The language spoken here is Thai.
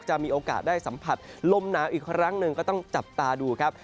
มีโอกาสได้สัมผัสลมหนาวอีกครั้งหนึ่งก็ต้องจับตาดูครับ